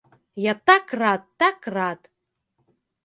Я так рад, так рад.